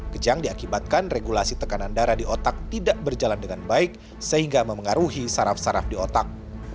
kejang diakibatkan regulasi tekanan darah di otak tidak berjalan dengan baik sehingga memengaruhi saraf saraf di otak